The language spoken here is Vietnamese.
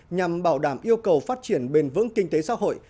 nhằm bảo đảm yêu cầu phát triển bền vững kinh tế xã hội